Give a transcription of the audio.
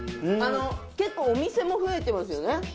結構お店も増えてますよね。